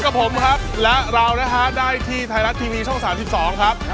กับผมครับและเรานะฮะได้ที่ไทยรัฐทีวีช่อง๓๒ครับ